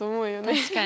確かに。